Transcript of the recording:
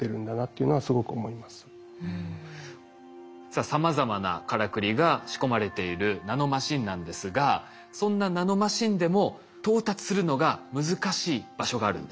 さあさまざまなからくりが仕込まれているナノマシンなんですがそんなナノマシンでも到達するのが難しい場所があるんです。